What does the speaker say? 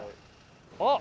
あっ！